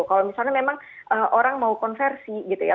kalau misalnya memang orang mau konversi gitu ya